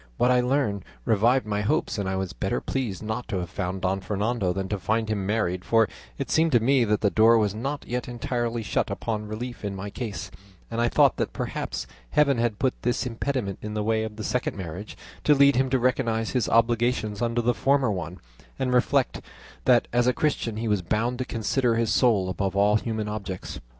What I learned revived my hopes, and I was better pleased not to have found Don Fernando than to find him married, for it seemed to me that the door was not yet entirely shut upon relief in my case, and I thought that perhaps Heaven had put this impediment in the way of the second marriage, to lead him to recognise his obligations under the former one, and reflect that as a Christian he was bound to consider his soul above all human objects.